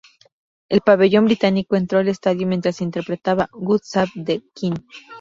El pabellón británico entró al estadio mientras se interpretaba "God save the Queen".